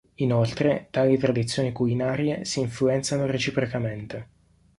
Inoltre, tali tradizioni culinarie si influenzano reciprocamente.